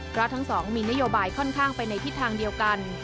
เพราะทั้งสองมีนโยบายค่อนข้างไปในทิศทางเดียวกัน